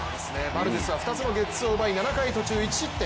バルデスは２つのゲッツーを奪い、７回途中１失点。